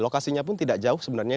lokasinya pun tidak jauh sebenarnya